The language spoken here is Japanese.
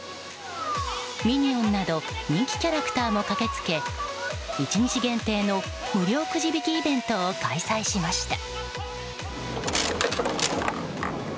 ミニオンなど人気キャラクターも駆けつけ１日限定の無料くじ引きイベントを開催しました。